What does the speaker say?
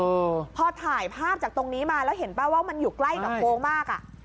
เออพอถ่ายภาพจากตรงนี้มาแล้วเห็นป่ะว่ามันอยู่ใกล้กับโค้งมากอ่ะ